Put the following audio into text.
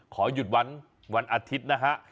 ขอหยุดวันอาทิตย์นะฮะ